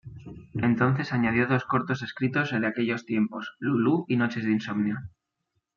Entonces añadió dos cortos escritos de aquellos tiempos: Lulú y Noches de insomnio.